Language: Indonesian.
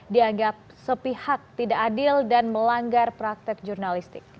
dianggap sepihak tidak adil dan melanggar praktek jurnalistik